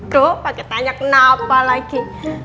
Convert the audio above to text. duh pake tanya kenapa lagi